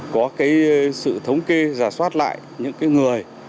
có sự thống kê giả soát lại những người